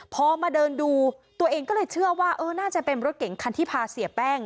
พอมาเดินดูตัวเองก็เลยเชื่อว่าเออน่าจะเป็นรถเก่งคันที่พาเสียแป้ง